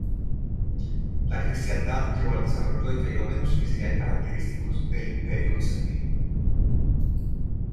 La cristiandad llevó al desarrollo de fenómenos que serían característicos del Imperio bizantino.